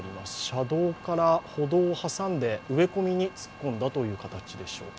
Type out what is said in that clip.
車道から歩道を挟んで、植え込みに突っ込んだという形でしょうか。